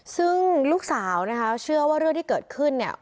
ซึ่งลูกสาวนะคะเชื่อว่าเรื่องที่เกิดขึ้นเนี่ย